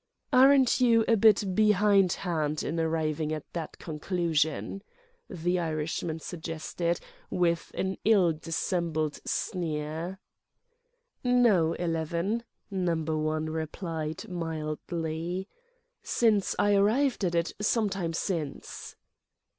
"Aren't you a bit behindhand in arriving at that conclusion?" the Irishman suggested with an ill dissembled sneer. "No, Eleven," Number One replied, mildly, "since I arrived at it some time since."